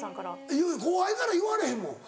言う後輩から言われへんもん。